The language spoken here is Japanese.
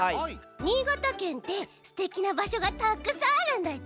新潟県ってすてきなばしょがたくさんあるんだち？